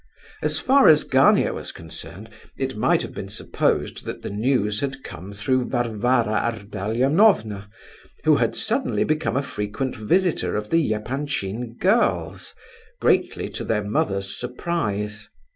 As far as Gania was concerned, it might have been supposed that the news had come through Varvara Ardalionovna, who had suddenly become a frequent visitor of the Epanchin girls, greatly to their mother's surprise.